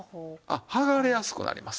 剥がれやすくなります。